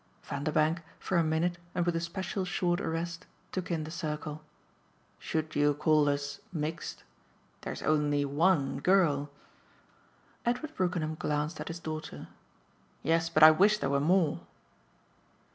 Vanderbank, for a minute and with a special short arrest, took in the circle. "Should you call us 'mixed'? There's only ONE girl." Edward Brookenham glanced at his daughter. "Yes, but I wish there were more."